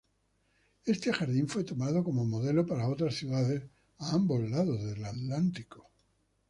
Este jardín fue tomado como modelo por otras ciudades a ambos lados del Atlántico.